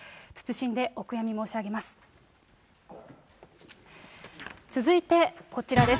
謹んでお悔やみ申し上げます。